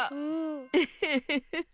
ウフフフフ。